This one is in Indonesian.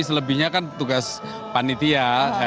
selebihnya kan tugas panitia